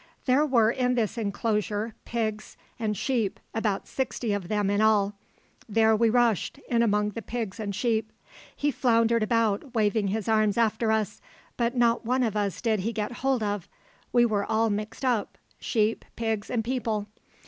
There were in this enclosure pigs and sheep, about sixty of them in all. There we rushed, in among the pigs and sheep. He floundered about, waving his two arms after us, but not one of us did he get hold of; we were all mixed up sheep, pigs and people.